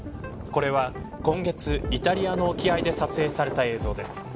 これは今月イタリアの沖合で撮影された映像です。